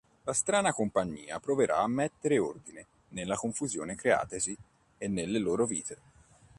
La strana compagnia proverà a mettere ordine nella confusione creatasi e nelle loro vite.